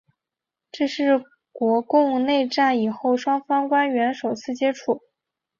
这是国共内战以后双方官员首次接触。